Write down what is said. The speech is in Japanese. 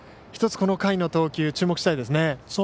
１つ、この回の投球注目したいですね。